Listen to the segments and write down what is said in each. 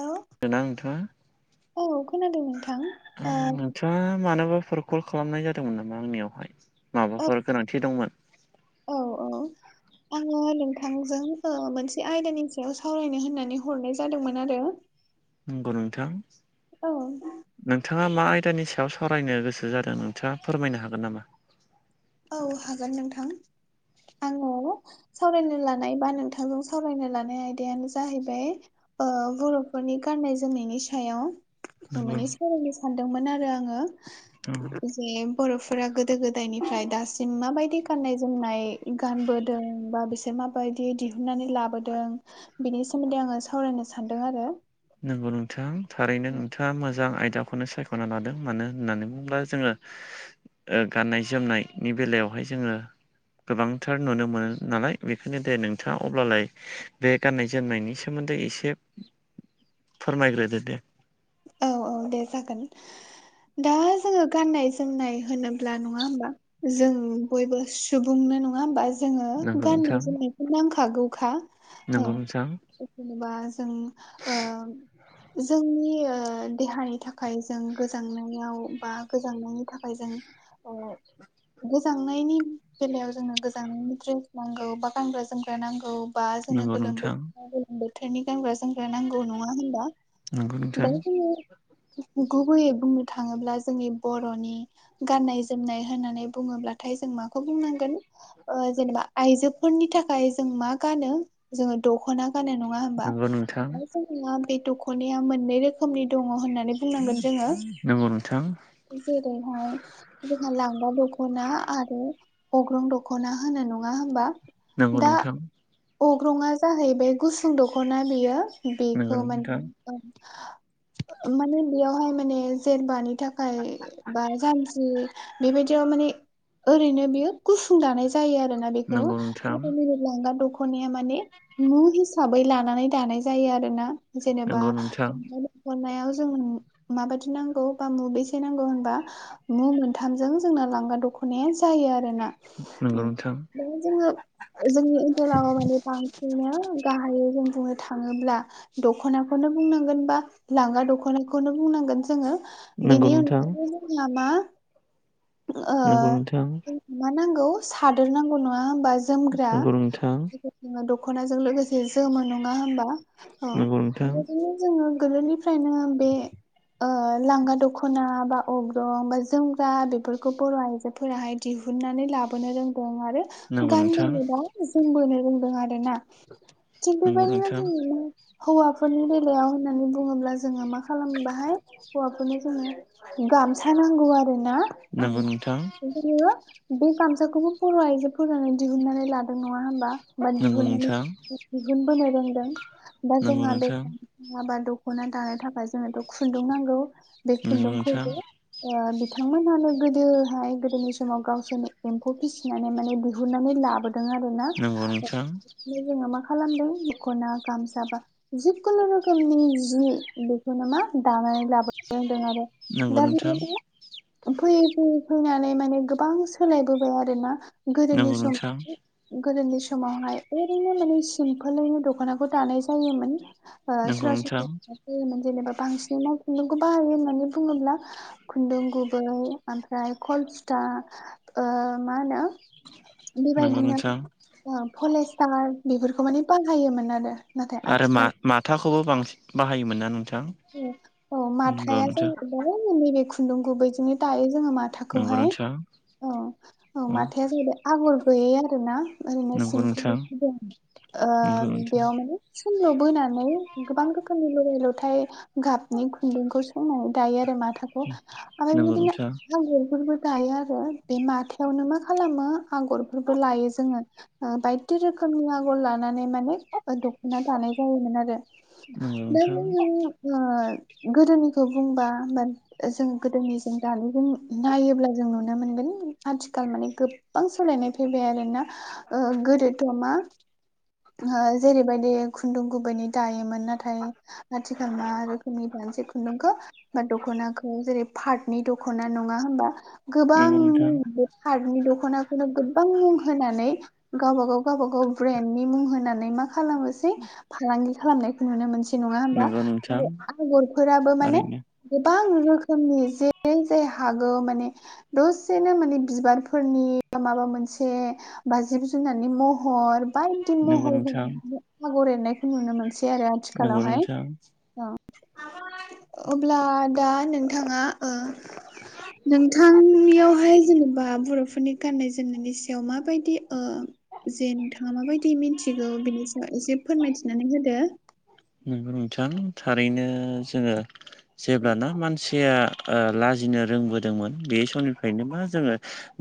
औ दोंना औ खोनादों नोंथां नोंथाङा ओ नोंथाङा मानोबा हर कल खालामनाय जादोंमोन नामा आंनियावहाय ओ माबाफोर गोनांथि दंमोन? औ औ। आङो नोंथांजों ओ मोनसे आयदानि सायाव सावरायनो होननानै हरनाय जादोंमोन आरो नंगौ नोंथां? औ। नोंथाङा मा आयदानि सायाव सावरायनो गोसो जादों नोंथाङा फोरमायनो हागोन नामा? औ हागोन नोंथां आङो सावरायनो लानाय बा नोंथांजों सावरायनो लानाय आयदायानो जाहैबाय ओ बर'फोरनि गाननाय जोमनायनि सायाव नंगौ माने सावरायनो सानदोंमोन आरो आङो औ जे बर'फोरा गोदो गोदायनिफ्राय दासिम माबायदि गाननाय जोमनाय गानबोदों बा बिसोर माबायदि दिहुनन्नानै लाबोदों बिनि सोमोन्दै आङो सावरायनो सानदों आरो नंगौ नोंथां थारैनो नोंथाङा मोजां आयदा खौनो सायख'ना लादों मानो होननानै बुङोब्ला जोङो ओ गाननाय जोमनायनि बेलायावहाय जोङो गोबांथार नुनो मोनो नालाय बेखायनो दे नोंथाङा अब्लालाय बे गाननाय जोमनायनि सोमोन्दै एसे फोरमायग्रोदो दे। औ औ दे जागोन। दा जोङो गाननाय जोमनाय होनोब्ला नङा होमबा। जों बयबो सुबुंनो नङा होनबा। जोङो नंगौ गाननाय जोमनायखौ नांखागौखा। औ नोंगौ नोंथां। जेनेबा जों ओ जोंनि ओ ओ देहानि थाखाय जों गोजांनायाव बा गोजांनायनि थाखाय जों ओ गोजांनायनि बेलायाव जोंनो गोजांनायनि ड्रेस नांगौ बा गानग्रा जोमग्रा नांगौ। बा जोंनो नंगौ गोलोम नोंथां [unintelligible] बोथोरनि गानग्रा जोमग्रा नांगौ नङा होमबा? नंगौ नोंथां। गुबैयै बुंनो थाङोब्ला जोंनि बर'नि गाननाय जोमनाय होननानै बुङोब्लाथाय जों माखौ बुंनांगोन? ओ‌ जेनेबा आइजोफोरनि थाखाय जों मा गानो जोङो दख'ना गानो नङा होमबा नंगौ नोंथां ओमफाय जोंना बे दख'नाया मोननै रोख खोमनि दङ होननानै बुंनांगोन जोङो। नोंगौ नोंथां। जेरैहाय जोंहा लांगा दख'ना आरो अग्रं दख'ना होनो नङा होमबा? नंगौ दा नोंथां अग्रंआ जाहैबाय गुसुं दख'ना बेयो। नंगौ बेखौ मान नोंथां ओ माने बेयावहाय माने जेरबानि थाख खाय बा जान्जि बेबायदियाव माने ओरैनो बेयो गुसुं दानायज जायो आरोना बेखौ नंगौ नोंथां [unintelligible] लांगा दख'नाया माने मु हिसाबै लानानै दानाय जायो आरो ना? जेनेबा लांनायाव जों माबायदि नांगौ बा मुबेसे नांगौ होन बा मु मोनथामजों जोंना लांगा दख'नाया जायो आरो ना? नोंगौ नोंथां। [unintelligible] जोंनि ओनसोलाव माने बांसिननो गाहायै जों बुंनो थाङोब्ला दख'नाखौनो बुंनांगोन बा लांगा दख'नाखौनो बुंनांगोन जोङो नंगौ बेनि नोंथां अनगायैबो जोंनिया मा? ओ नंगौ नोंथां जों मा नांगौ सादोर नांगौ नङा होमबा? जोमग्रा नंगौ नोंथां [unintelligible] दख'नाजों लोगोसे जोमो नङा होमबा? औ नंगौ नोंथां बेबायदिनो जोङो गोदोनिफ्रायनो बे ओ लागा दख'नाब बा अग्रं बा जोमग्रा बेफोरखौ बर' आइजोफोराहाय दिहुननानै लाबोनो रोंदों आरो नंगौ नोंथां गानबोनो बा जोमबोनो रोंदों आरोना थिग नंगौ बेबायदिनो नोंथां दिनैनि हौवाफोरनि बेलायाव होननानै बुङोब्ला जोङो मा खालामो बाहाय हौवाफोरनो जोङो गामसा नांगौ आरो ना नंगौ उम नोंथां नंगौ नोंथां [unintelligible] बे गामसाखौबो बर' आइजोफोरानो दिहुननानै लाद नङा होमबा बा नंगौ दिहुननानै नोंथां दिहुनबोनो रोंदों बा नंगौ जोंहा [unintelligible] [unintelligible] नोंथां दख'ना दानो थाखाय जोंनोथ' खुन्दुं नांगौ बे नंगौ खुन्दुंखो नोंथां ओ‌ बिथांमोनानो गोदोहाय गोदोनि समाव गावसोरनो एम्फौ फिस सिनानै माने दिहुननानै लाबोदों आरो ना? नंगौ नोंथां ओमफ्राय जोङो मा खालामदों दख'ना गामसा बा जिखुनु रोखोमनि जि बेखौनो मा दानानै लाबोनो रोंदों आरो। नंगौ दा नोंथां बिदिनो फैयै फैयै फैनानै माने गोबां सोलायबोबाय आरोना? नंगौ गोदोनि सम नोंथां गोदोनि समावहाय ओरैनो माने सिमफोलैनो दख'नाखौ दानाय जायोमोन। ओ [unintelligible] नंगौ नोंथां जायोमोन जेनेबा बांसिनै मा खुन्दुंखौ बाहायो होननानै बुङोब्ला खुन्दुं गुबै ओमफ्राय खलसुथा ओ मा होनो? नंगौ बेबायदिनो आरो नोंथां ओ फलेस्टार बेफोरखौ माने बाहायोमोन आरो नाथाय आरो मा आथिखाल माथाखौबो बांसिन बाहायोमोन ना नोंथां? औ औ नंगौ माथाया नोंथां जाहैबाय नैबे खुन्दुं गुबैजोंनो दायो जोङो माथ नंगौ नोंथां। औ औ माथाया जाहैबाय आगर गैयै आरोना ओरैनो नंगौ सिम्पोल नोंथां [unintelligible] दं। ओ नंगौ नोंथां बेयाव माने सिनल' बोनानै गोबां रोखोमनि लगाय लथाय गाबनि खुन्दुंखौ सोंनानै दायो आरो माथाखौ [unintelligible] नंगौ बिदिनो नोंथां आगरफोरबो दायो आरो बे माथायावनो मा खालामो आगरफोरबो लायो जोङो बायदि रोखोमनि आगर लानानै माने दख'ना दानाय जायोमोन आरो नंगौ दा नोंथां जो गोदोनिखौ बुंबा होमबानो जों गोदोनिजों दानायजोंों नायोब्ला जों नुनो मोनगोन आथिखाल माने गो गोबां सोलायनाय फैबाय आरोोना गोदोथ' मा जेरैबायदि खुन्दुं गुबैै दायोमोन नाथाय आथिखाल मा रोखोमनि दानज खुन्दुंखौ बा दख'नाखौ जेरै पार् नि दख'ना नङा हबा गोबांनि हारनि दख'नाखौनो गोबां लुं होनोनानै गावबा गाव गावबाागाव ब्रेन्डनि मुं होनानै मा मा खालामोसै फालांगि खालामनायखौ नुनो मोनसै नङा नंगौ नोंथां होमबा नंगौ नोंथां आरो आगरफोराबो माने थारैनो गोबां रोखोमनि जे जे हागौ माने दसेनो माने बिबारफोरनि माबा मोनसे बा जिब जुनारनि मह हर बायदि नंगौ महर नोंथां होन आगर एरनायखौ नुनो मोनसै आरो नंगौ आथिखालावहाय नोंथां औ अब्ला दा नोंथाङा नोंथांनियावहाय जेनेबा बर'फोरनि गाननाय जोमनायनि सायाव माबायदि जे नोंथाङा माबायदि मिथिगौ बेनि सायावसे फोरमायथिनानै होदो गौ नोंथां थारैनो जोङो जेब्लाना मानसि खुया लाजिनो रोंबोदोंमोन बे समनिफ्रायनो मा जोङो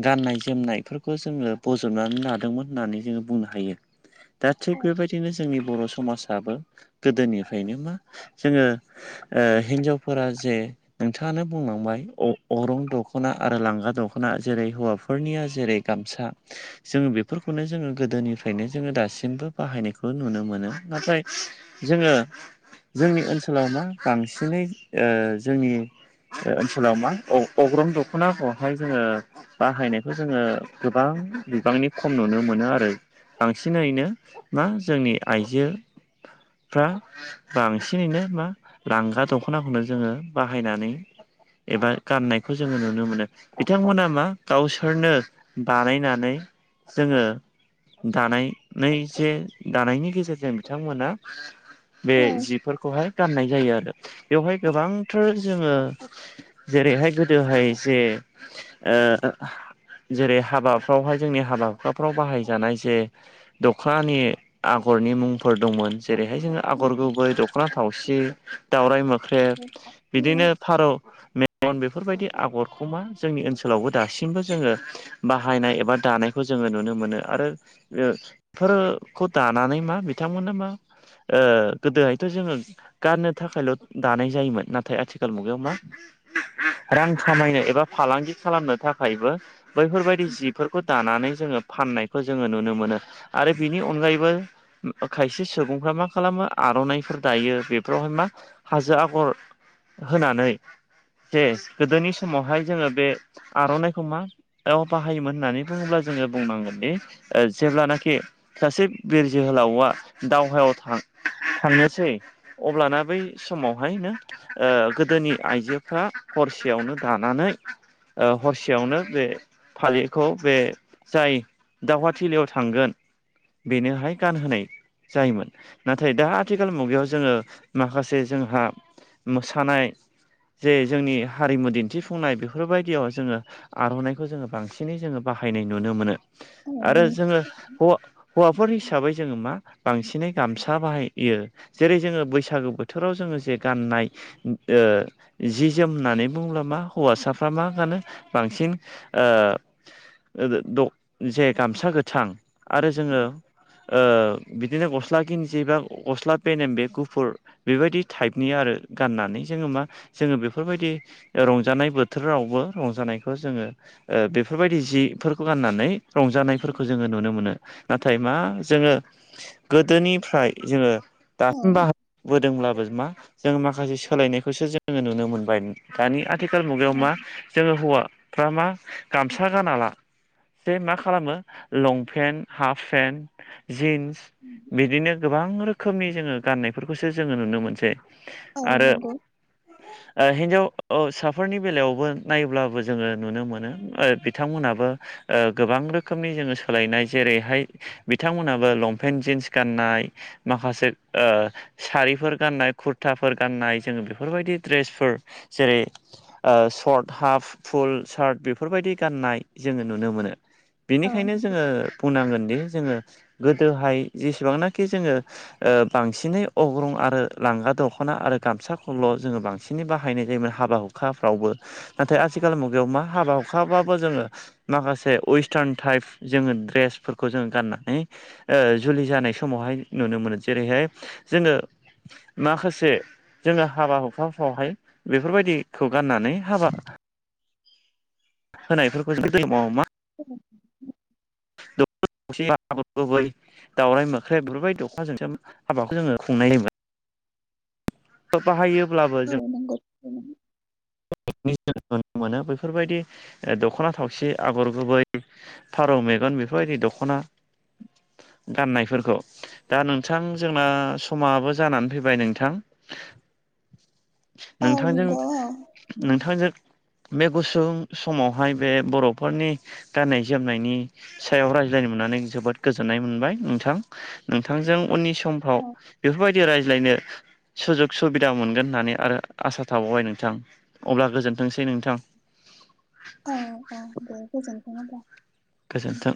गाननाय जोमनायफोरखौ जोङो बजबनानै लादोंमोन होननानै जोङो बुंनो हायो दा थिग औ बेबायदिनो जोंनि बर' समाजाबो गोदोनिफ्रायनो मा जोङो हिन्जावफोरा जे नोंथाङानो बुंलांबाय अरं दख'ना आरो लांगा दख'ना जेरै हौवाफोरनिया जेरै गामसा जोङो बेफोरखौनो जोङो गोदोनिफ्रायनो जोङो दासिमबो बाहायनायखौ नुनो मोनो नाथाय जोङो जोंनि ओनसोलाव मा बांसिनै जोंनि ओनसोलाव मा अग्रं दख'नाखौहाय जोङो बाहायनायखौ जोङो गोबां बिबांनि खम नुनो मोनो आरो बांसिनैनो मा जोंनि आइजो फ्रा बांसिनैनो मा लांगा दख'नाखौनो जोङो बाहायनानै एबा गाननायखौ जोङो नुनो मोनो बिथांमोना मा गावसोरनो बानायनानै जोङो दानाय जे दानायनि गेजेरजों बिथांमोना बे जिफोरखौहाय गाननाय जायो आरो बेवहाय गोबांथार जोङो जेरैहाय गोदोहाय जे जेरै हाबाफ्रावहाय जोंनि हाबा हुखाफ्राव बाहायजानाय जे दखनानि आगरनि मुंफोर दंमोन जेरैहाय जोङो आगर गुबै दख'ना थावसि दावराइ मोख्रेब बिदिनो फारौ मगन बेफोरबायदि आगरखौ मा जोंनि ओनसोलावबो दासिमबो जोङो बाहायनाय एबा दानायखौ जोङो नुनो मोनो आरो फोरखौ दानानै मा बिथांमोना मा गोदोहायथ' जोङो गाननो थाखायल' दानाय जायोमोन नाथाय आथिखाल मुगायाव मा रां खामायनो एबा फालांगि खालामनो थाखायबो बैफोरबायदि जिफोरखौ दानानै जोङो फाननायखौ जोङो नुनो मोनो आरो बिनि अनगायैबो खायसे सुबुंफ्रा मा खालामो आर'नाइफोर दायो बेफोरावहाय मा हाजो आगर होनानै जे गोदोनि समावहाय जोङो बे आर'नाइखौ मा औ बाहायोमोन होननानै बुङोब्ला जोङो बुंनांगोन दि जेब्लानाखि सासे बिर जोहोलावआ दावहायाव थां थांनोसै अब्लाना बै समावहाय नो ओ गोदोनि आइजोफ्रा हरसेयावनो दानानै ओ हरसेयावनो बे फालिखौ बे जाय दावहाथिलियाव थांगोन बेनोहाय गानहोनाय जायोमोन नाथाय दा आथिखाल मुगायाव जोङो माखासे जोंहा मोसानाय जे जोंनि हारिमु दिन्थिफुंनाय बेफोरबायदियाव जोङो आर'नाइखौ जोङो बांसिनै जोङो बाहायनाय नुनो मोनो। औ आरो नों जोङो हौवा हौवाफोर हिसाबै जोङो मा बांसिनै गामसा बाहायो जेरै जोङो बैसागो बोथोराव जोङो जे गाननाय ओ जि जोम होननानै बुङोब्ला मा हौवासाफ्रा मा गानो बांसिन ओ ओ द जे गामसा गोथां आरो जोङो ओ बिदिनो गस्ला गिनजि बा गस्ला पेनेम बे गुफुर बेबायदि टाइपनि आरो गाननानै जोङो मा जोङो बेफोरबायदि रंजानाय बोथोरावबो रंजानायखौ जोङो ओ बेफोरबायदि जिफोरखौ गाननानै रंजानायफोरखौ जोङो नुनो मोनो। नाथाय मा जोङो गोदोनिफ्राय जोङो औ दासिम बाहा बोदोंब्लाबो मा जों माखासे सोलायनायखौसो जोङो नुनो मोनबाय। दानि आथिखाल मुगायाव मा जोङो हौवाफ्रा मा गामसा गानाला जे मा खालामो लं पेन्ट हाफ पेन्ट जिन्स [inaudible] बिदिनो गोबां रोखोमनि जोङो गाननायफोरखौसो जोङो नुनो मोनसै औ आरो नंगौ [inaudible] ओ हिनजावसाफोरनि बेलायावबो नायोब्लाबो जोङो नुनो मोनो ओ बिथांमोनाबो ओ गोबां रोखोमनि जोङो सोलायनाय जेरैहाय बिथांमोनाबो लं पेन्ट जिन्स गाननाय माखासे ओ सारिफोर गाननाय कुरथाफोर गाननाय जोङो बेफोरबायदि ड्रेसफोर जेरै ओ सर्ट हाफ फुल सार्ट बेफोरबायदि गाननाय जोङो नुनो मोनो। औ बिनिखायनो जोङो बुंनांगोनदि जोङो गोदोहाय जेसेबांनाखि जोङो ओ बांसिनै अग्रं आरो लांगा दख'ना आरो गामसाखौल' जोङो बां सिनै बाहायनाय जायोमोन हाबा हुखाफ्रावबो नाथाय आथिखाल मुगायाव मा हाबा हुखाबाबो जोङो माखासे वेस्टार्न टाइप जोङो ड्रेसफोरखौ जोङो गाननानै ओ जुलि जानाय समावहाय नुनो मोनो जेरैहाय जोङो माखासे जोङो हाबा हुखाफ्रावहाय बेफोरबायदिखौ गाननानै हाबा होनायफोरखौ [unintelligible] समाव मा [inaudible] [unintelligible] गुबै दावराय मोख्रेब बेफोरबायदि [unintelligible] हाबाखौ जोङो खुंनाय जायोमोन। बाहायोब्लाबो जों [unintelligible] [unintelligible] नुनो मोनो बेफोरबायदि दख'ना थावसि आगर गुबै। फारौ मेगन बेफोरबायदि दख'ना गाननायफोरखौ दा नोंथां जोंना समाबो जानानै फैबाय नोंथां औ नोंथांजों नंगौ अ नोंथांजों बे गुसुं समावहाय बे बर'फोरनि गाननाय जोमनायनि सायाव रायज्लायनो मोननानै जोबोद गोजोननाय मोनबाय नोंथां। नोंथांजों उननि समफ्राव औ बेफोरबाय दि रायज्लायनो सुजुग सुबिदा मोनगोन होननानै आरो आसा थाबावबाय नोंथां। अब्ला गोजोनथोंसै नोंथां औ औ दे गोजोनथों होमबा गोजोन्थों